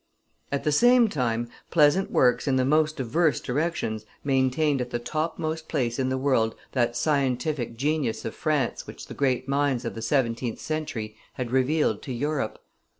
At the same time splendid works in the most diverse directions maintained at the topmost place in the world that scientific genius of France which the great minds of the seventeenth century had revealed to Europe.